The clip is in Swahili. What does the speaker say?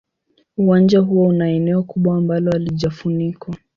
Uwanja huo una eneo kubwa ambalo halijafunikwa.